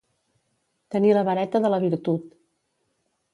Tenir la vareta de la virtut.